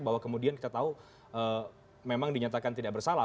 bahwa kemudian kita tahu memang dinyatakan tidak bersalah